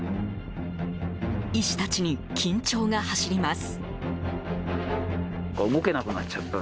医師たちに緊張が走ります。